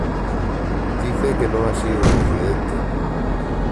Dice que no ha sido un accidente.